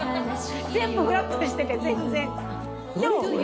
全部フラットしてて全然。